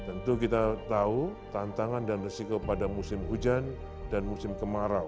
tentu kita tahu tantangan dan resiko pada musim hujan dan musim kemarau